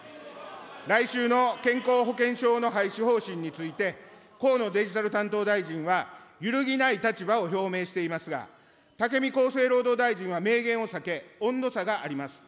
来秋の健康保険証の廃止方針について、河野デジタル担当大臣は、揺るぎない立場を表明していますが、武見厚生労働大臣は明言を避け、温度差があります。